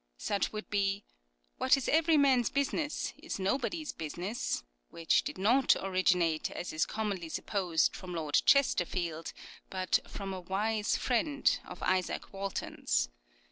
Such would be " What is every man's busi ness is nobody's business," which did not originate, as is commonly supposed, from Lord Chesterfield, but from " a wise friend " of Izaak Walton's.